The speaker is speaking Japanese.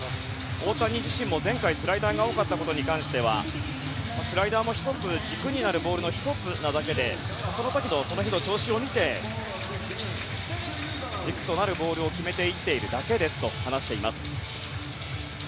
大谷自身も前回スライダーが多かったことに関してはスライダーも１つ軸になるボールの１つなだけでその日の調子を見て軸となるボールを決めていっているだけですと話しています。